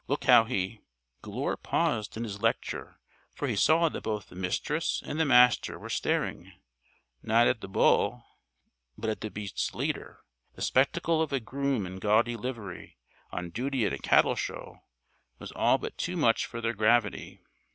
Look how he " Glure paused in his lecture for he saw that both the Mistress and the Master were staring, not at the bull, but at the beast's leader. The spectacle of a groom in gaudy livery, on duty at a cattle show, was all but too much for their gravity.